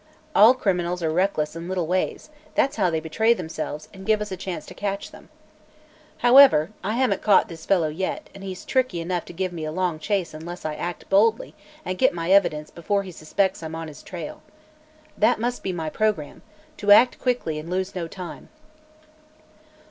All criminals are reckless in little ways; that's how they betray themselves and give us a chance to catch them. However, I haven't caught this fellow yet, and he's tricky enough to give me a long chase unless I act boldly and get my evidence before he suspects I'm on his trail. That must be my programme to act quickly and lose no time."